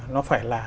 nó phải là